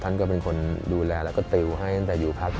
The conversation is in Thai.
ท่านก็เป็นคนดูแลแล้วก็ติวให้ตั้งแต่อยู่พัก